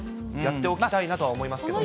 やっておきたいなとは思います